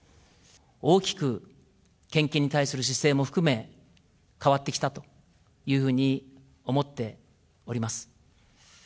大きく献金に対する姿勢も含め、変わってきたというふうに思っております。